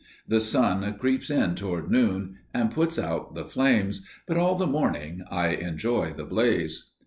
The sun creeps in toward noon and puts out the flames, but all the morning I enjoy the blaze.